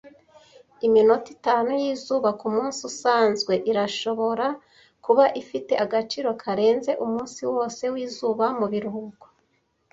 Iminota itanu yizuba kumunsi usanzwe irashobora kuba ifite agaciro karenze umunsi wose wizuba mubiruhuko.